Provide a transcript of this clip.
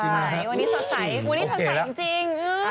ใสวันนี้สดใสวันนี้สดใสจริง